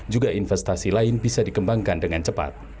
juga investasi lain bisa dikembangkan dengan cepat